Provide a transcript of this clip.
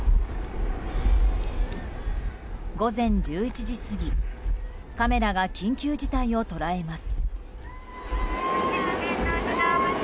午前１１時過ぎカメラが緊急事態を捉えます。